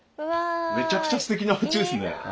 めちゃくちゃすてきなおうちですね。